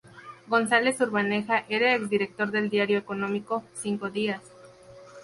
González Urbaneja era exdirector del diario económico "Cinco Días".